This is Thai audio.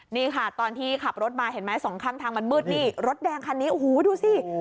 นี่ค่ะตอนที่ขับรถมาเห็นไหมสองข้างทางมันมืดนี่รถแดงคันนี้โอ้โหดูสิ